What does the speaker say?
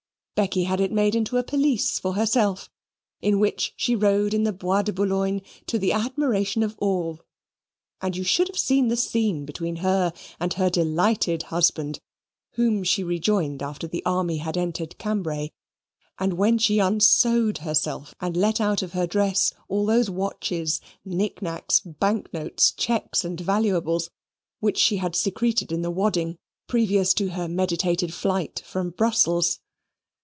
Becky had it made into a pelisse for herself, in which she rode in the Bois de Boulogne to the admiration of all: and you should have seen the scene between her and her delighted husband, whom she rejoined after the army had entered Cambray, and when she unsewed herself, and let out of her dress all those watches, knick knacks, bank notes, cheques, and valuables, which she had secreted in the wadding, previous to her meditated flight from Brussels!